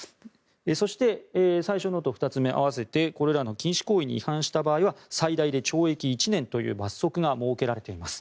そして最初のと２つ目と合わせてこれらの禁止行為に違反した場合は最大で懲役１年という罰則が設けられています。